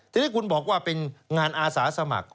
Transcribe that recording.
ทีนี้คุณบอกว่าเป็นงานอาสาสมัคร